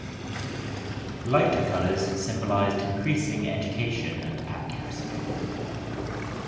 Lighter colors symbolized increasing education and accuracy.